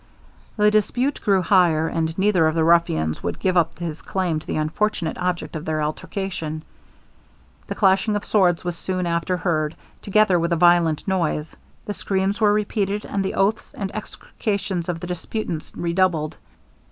The dispute grew higher; and neither of the ruffians would give up his claim to the unfortunate object of their altercation. The clashing of swords was soon after heard, together with a violent noise. The screams were repeated, and the oaths and execrations of the disputants redoubled.